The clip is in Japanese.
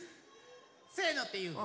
「せの」っていうの？